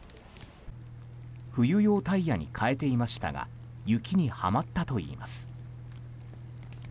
冬用タイヤに替えていましたが雪にはまったといいます。